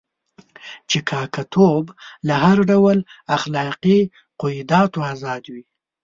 چې کاکه توب له هر ډول اخلاقي قیوداتو آزادوي.